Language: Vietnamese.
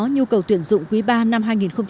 nhu cầu tuyển dụng quý ba năm hai nghìn một mươi chín